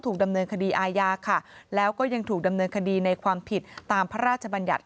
ดำเนินคดีอาญาค่ะแล้วก็ยังถูกดำเนินคดีในความผิดตามพระราชบัญญัติ